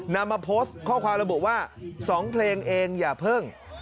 นำมาโพสต์ข้อความระบุว่า๒เพลงเองอย่าเพิ่ง